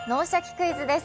クイズ」です。